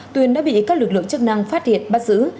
tuyền đã bị các lực lượng chức năng phát hiện bắt giữ